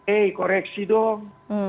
eh koreksi dong